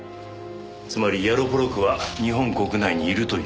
つまりヤロポロクは日本国内にいるという事か？